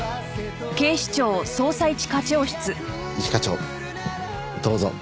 一課長どうぞ。